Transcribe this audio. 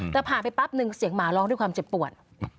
แต่ผ่านไปปั๊บนึงเสียงหมาร้องด้วยความเจ็บปวด